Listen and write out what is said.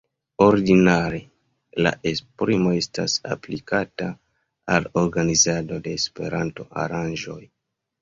Ordinare la esprimo estas aplikata al organizado de Esperanto-aranĝoj.